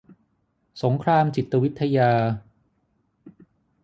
สงครามจิตวิทยา